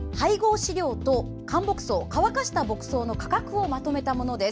飼料と乾木草乾かした牧草の価格をまとめたものです。